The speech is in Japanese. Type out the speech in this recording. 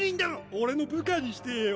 俺の部下にしてぇよ。